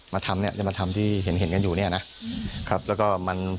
มาทำเนี่ยจะมาทำที่เห็นเห็นกันอยู่เนี่ยนะครับแล้วก็มัน